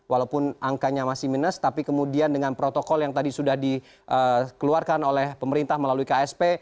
walaupun angkanya masih minus tapi kemudian dengan protokol yang tadi sudah dikeluarkan oleh pemerintah melalui ksp